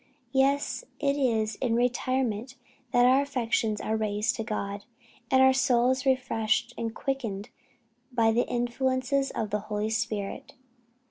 Yes, it is in retirement that our affections are raised to God, and our souls refreshed and quickened by the influences of the Holy Spirit.